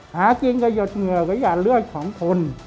หากินกับหยดเหงื่อก็อย่าเลือดของคน